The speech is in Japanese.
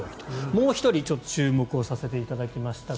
もう１人注目させていただきました。